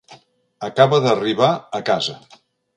Acaba d'arribar a casa.